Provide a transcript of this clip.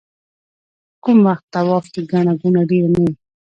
کوم وخت طواف کې ګڼه ګوڼه ډېره نه وي.